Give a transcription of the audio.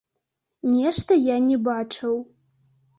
Нешта я не бачыў.